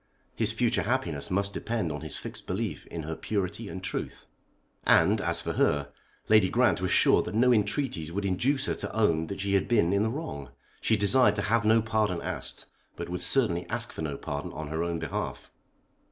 His future happiness must depend on his fixed belief in her purity and truth. And, as for her, Lady Grant was sure that no entreaties would induce her to own that she had been in the wrong. She desired to have no pardon asked, but would certainly ask for no pardon on her own behalf.